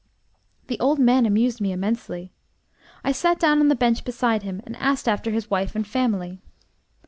The old man amused me immensely. I sat down on the bench beside him and asked after his wife and family.